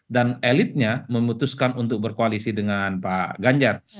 dan elitnya memutuskan untuk berkoalisi dengan pak ganjar